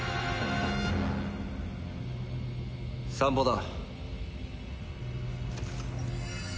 散歩だ。